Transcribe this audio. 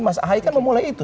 mas ahay kan memulai itu